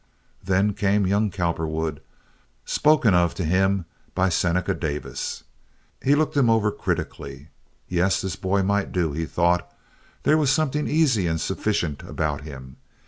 Then came young Cowperwood, spoken of to him by Seneca Davis. He looked him over critically. Yes, this boy might do, he thought. There was something easy and sufficient about him.